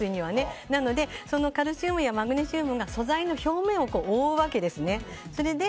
なのでカルシウムやマグネシウムが素材の表面を覆うわけですね。